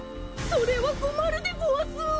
それはこまるでごわす！